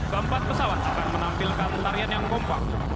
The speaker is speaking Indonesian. keempat pesawat akan menampilkan tarian yang kompak